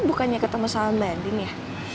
bukannya ketemu sama mbak dim ya